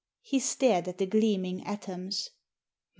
He stared at the gleaming atoms.